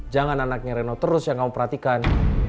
jangan anaknya reno terus yang kamu perhatikan